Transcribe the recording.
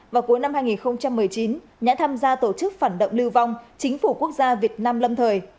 vào cuối năm hai nghìn một mươi chín nhãn tham gia tổ chức phản động lưu vong chính phủ quốc gia việt nam lâm thời